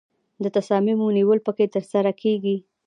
د تصامیمو نیول پکې ترسره کیږي.